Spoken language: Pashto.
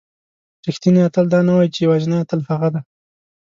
رښتینی اتل دا نه وایي چې یوازینی اتل هغه دی.